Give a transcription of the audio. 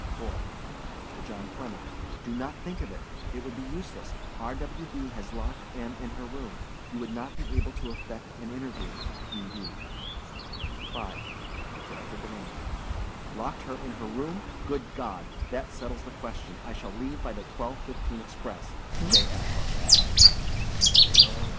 4. TO JOHN FLEMMING. Do not think of it. It would be useless. R. W. D. has locked M. in her room. You would not be able to effect and interview. E. D. 5. TO EDWARD DELANEY. Locked her in her room. Good God. That settles the question. I shall leave by the twelve fifteen express. J.